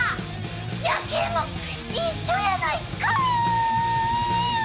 夜景も一緒やないかい！